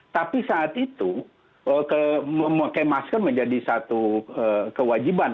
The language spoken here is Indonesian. tapi saat itu memakai masker menjadi satu kewajiban